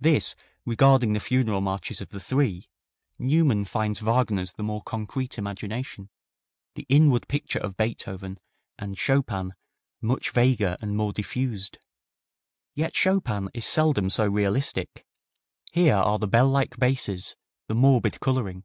This regarding the funeral marches of the three. Newman finds Wagner's the more concrete imagination; the "inward picture" of Beethoven, and Chopin "much vaguer and more diffused." Yet Chopin is seldom so realistic; here are the bell like basses, the morbid coloring.